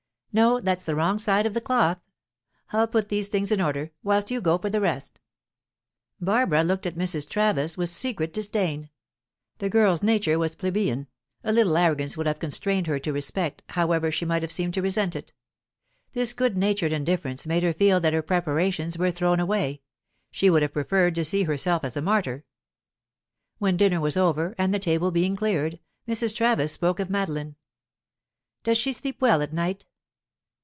No, that's the wrong side of the cloth. I'll put these things in order, whilst you go for the rest." Barbara looked at Mrs. Travis with secret disdain. The girl's nature was plebeian; a little arrogance would have constrained her to respect, however she might have seemed to resent it. This good natured indifference made her feel that her preparations were thrown away. She would have preferred to see herself as a martyr. When dinner was over and the table being cleared, Mrs. Travis spoke of Madeline. "Does she sleep well at night?"